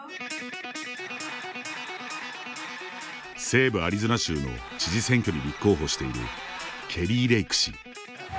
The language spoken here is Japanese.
西部アリゾナ州の知事選挙に立候補しているケリー・レイク氏。